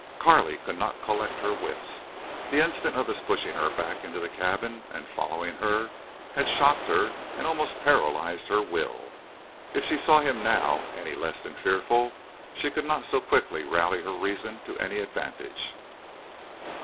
Carley could not collect her wits. The instant of his pushing her back into the cabin and following her had shocked her and almost paralyzed her will. If she saw him now any the less fearful she could not so quickly rally her reason to any advantage.